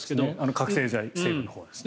覚醒剤のほうはですね。